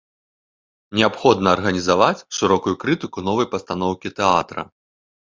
Неабходна арганізаваць шырокую крытыку новай пастаноўкі тэатра.